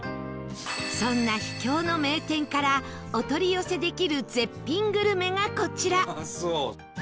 そんな秘境の名店からお取り寄せできる絶品グルメがこちら